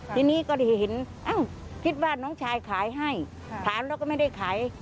ทีนี้ก็ได้เห็นคิดว่าน้องชายขายให้ขายแล้วก็ไม่ได้ขาย